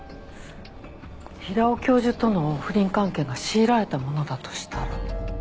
平尾教授との不倫関係が強いられたものだとしたら。